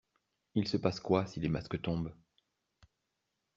Il se passe quoi si les masques tombent?